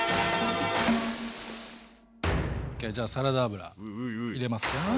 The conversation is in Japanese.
じゃあサラダ油入れますよ。